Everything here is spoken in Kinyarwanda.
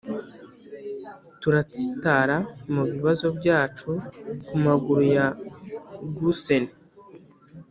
turatsitara mubibazo byacu kumaguru ya gurşen.